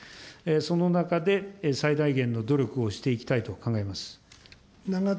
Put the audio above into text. その中で最大限の努力をしていきたいと考えております。